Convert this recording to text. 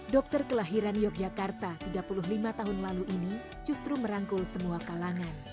dokter kelahiran yogyakarta tiga puluh lima tahun lalu ini justru merangkul semua kalangan